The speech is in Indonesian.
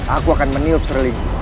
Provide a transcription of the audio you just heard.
aku akan meniup serling